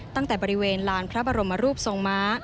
ตั้งแต่บริเวณลานพระบรมรูปทรงม้า